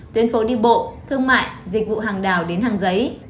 tuyến phố đi bộ thương mại dịch vụ hàng đào đến hàng giấy